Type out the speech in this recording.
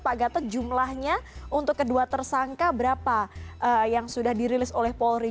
pak gatot jumlahnya untuk kedua tersangka berapa yang sudah dirilis oleh polri